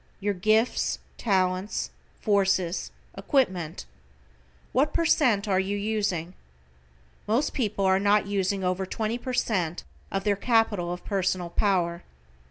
Your gifts, talents, forces, equipment. What per cent are you using? Most people are not using over 20 per cent of their capital of personal power.